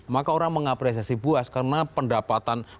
maka orang mengapresiasi buas karena pendapatan